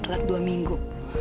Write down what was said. telat dua minggu